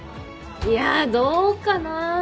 いやどうかな。